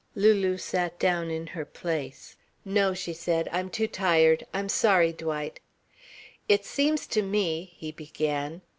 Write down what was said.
Lulu sat down in her place. "No," she said. "I'm too tired. I'm sorry, Dwight." "It seems to me " he began.